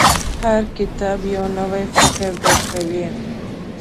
• هر کتاب، یو نوی فکر درکوي.